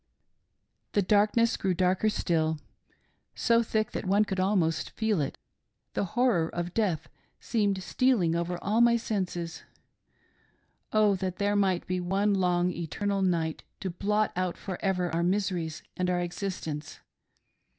The darkness grew darker still — so thick that one could almost feel it ; the horror of death seemed stealing over all my senses. Oh that there might be one long eternal night to blot out for ever our miseries and our existence.